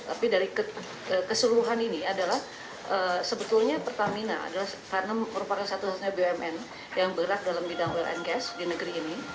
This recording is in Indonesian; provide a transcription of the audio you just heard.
tapi dari keseluruhan ini adalah sebetulnya pertamina adalah karena merupakan satu satunya bumn yang bergerak dalam bidang well and gas di negeri ini